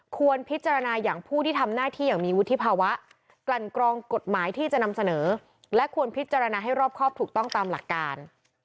ควรพิจารณาอย่างผู้ที่ทำหน้าที่อย่างมีวุฒิภาวะกลั่นกรองกฎหมายที่จะนำเสนอและควรพิจารณาให้รอบครอบถูกต้องตามหลักการ